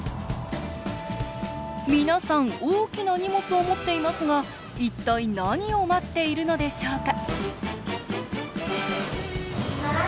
皆さん大きな荷物を持っていますが一体何を待っているのでしょうか